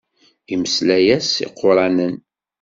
Imeslay-as iquṛanen.